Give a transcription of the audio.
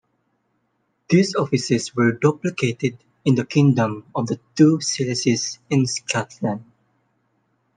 These offices were duplicated in the Kingdom of the Two Sicilies and Scotland.